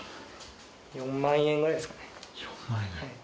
４万円ぐらいですかね。